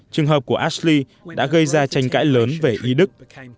trường hợp của ashley đã gây ra tranh cãi lớn về ý đức